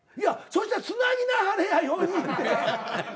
そしたらつなぎなはれや４人で。